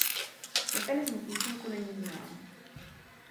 Mechanismus účinku není znám.